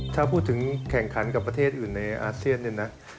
ถ้าพูดถึงแข่งขันกับประเทศอื่นในอาเซียนเนี่ยนะ